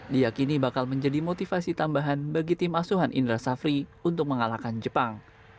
diakini bakal menjadi motivasi tambahan bagi tim asuhan indra safri untuk mengalahkan jepang